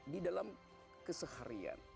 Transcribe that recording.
di dalam keseharian